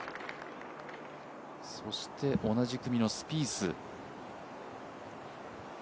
そして同じ組のスピース。